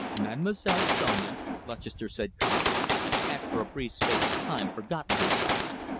"Mademoiselle Sonia," Lutchester said calmly, "had for a brief space of time forgotten herself.